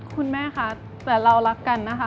คุณแม่คะแต่เรารักกันนะคะ